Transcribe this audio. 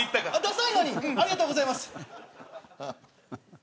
ありがとうございます。